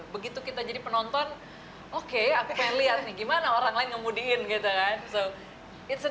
begitu kita jadi penonton oke aku pengen lihat nih gimana orang lain ngemudiin gitu kan